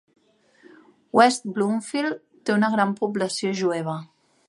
West Bloomfield té una gran població jueva.